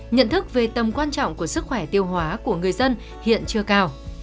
nhận thức về tầm quan trọng của sức khỏe tiêu hóa của người dân hiện chưa cao